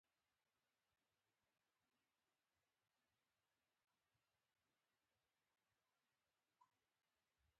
په افغانستان کې بانکي خدمتونه د اقتصاد په ګټه دي.